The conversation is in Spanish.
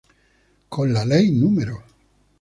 Con la Ley No.